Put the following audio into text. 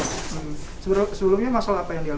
sebelumnya masalah apa yang diala